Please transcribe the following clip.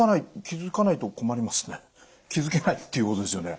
気付けないっていうことですよね？